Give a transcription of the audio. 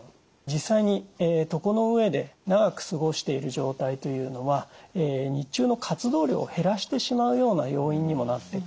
実際に床の上で長く過ごしている状態というのは日中の活動量を減らしてしまうような要因にもなってくるんですね。